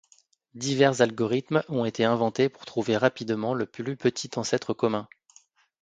Divers algorithmes ont été inventés pour trouver rapidement le plus petit ancêtre commun.